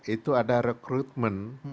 itu ada rekrutasi